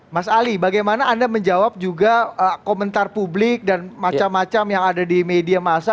mas ali bagaimana anda menjawab juga komentar publik dan macam macam yang ada di media masa